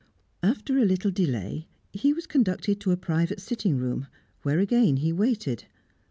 After a little delay, he was conducted to a private sitting room, where again he waited.